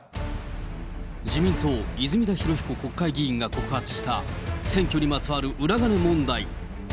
自民党、泉田裕彦国会議員が告発した、選挙にまつわる裏金問題。